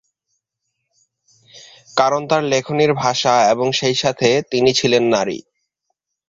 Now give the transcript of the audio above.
কারণ তার লেখনীর ভাষা এবং সেইসাথে তিনি ছিলেন নারী।